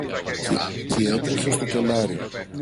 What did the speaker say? κι έτρεχε στο κελάρι.